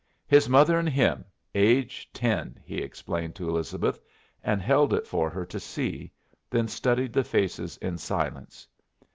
"His mother and him, age ten," he explained to Elizabeth, and held it for her to see, then studied the faces in silence.